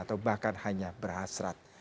atau bahkan hanya berhasrat